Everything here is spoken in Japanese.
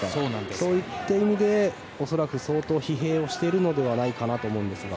そういった意味で恐らく相当疲弊しているのではないかと思います。